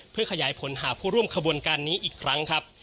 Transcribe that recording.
เพื่อขยายผลหาผู้ร่วมขบวนการนี้อีกครั้งครับ